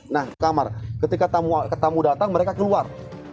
nah kamar ketika ketemu datang mereka keluar